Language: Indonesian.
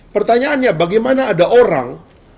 pertanyaannya bagaimana ada orang